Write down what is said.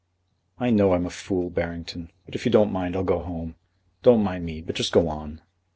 "I know I'm a fool, Barrington; but if you don't mind I'll go home. Don't mind me, but just go on."